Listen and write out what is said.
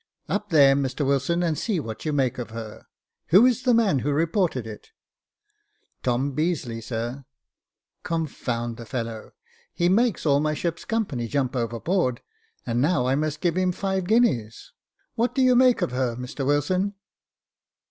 *'Up there, Mr Wilson, and see what you make of her. Who is the man who reported it ?"" Tom Beazeley, sir." " Confound the fellow, he makes all my ship's company 362 Jacob Faithful jump overboard, and now I must give him five guineas. What do you make of her, Mr Wilson